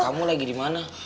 kamu lagi dimana